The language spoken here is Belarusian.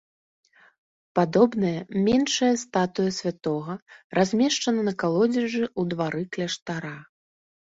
Падобная, меншая статуя святога размешчана на калодзежы ў двары кляштара.